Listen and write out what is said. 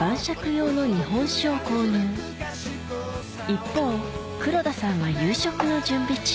一方黒田さんは夕食の準備中